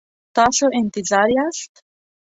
تاسو انتظار یاست؟